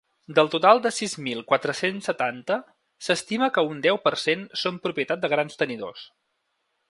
Del total de sis mil quatre-cents setanta s’estima que un deu per cent són propietat de grans tenidors.